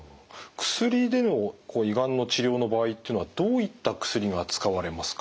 薬での胃がんの治療の場合っていうのはどういった薬が使われますか？